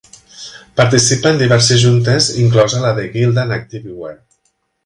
Participa en diverses Juntes, inclosa la de Gildan Activewear.